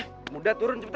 sudahlah turun cepat